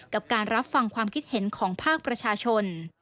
กับการรับฟังความคิดเห็นของภาคประชาชน